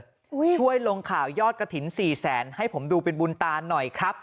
ช่วยลงข่าวยอดกระถิ่นสี่แสนให้ผมดูเป็นบุญตาหน่อยครับ